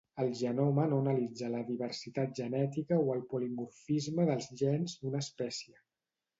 El genoma no analitza la diversitat genètica o el polimorfisme dels gens d'una espècie.